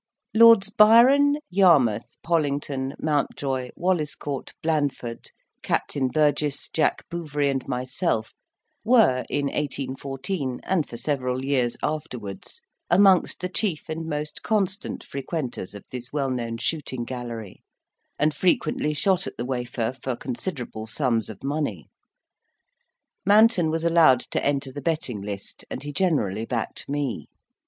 Lords Byron, Yarmouth, Pollington, Mountjoy, Walliscourt, Blandford, Captain Burges, Jack Bouverie, and myself, were in 1814, and for several years afterwards, amongst the chief and most constant frequenters of this well known shooting gallery, and frequently shot at the wafer for considerable sums of money. Manton was allowed to enter the betting list, and he generally backed me.